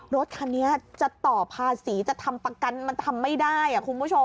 รถคันนี้จะต่อภาษีจะทำประกันมันทำไม่ได้คุณผู้ชม